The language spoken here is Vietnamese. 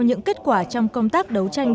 những kết quả trong công tác đấu tranh